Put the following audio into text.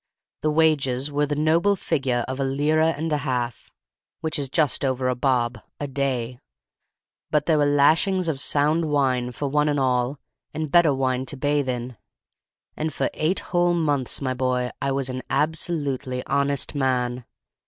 The wages were the noble figure of a lira and a half, which is just over a bob, a day, but there were lashings of sound wine for one and all, and better wine to bathe in. And for eight whole months, my boy, I was an absolutely honest man.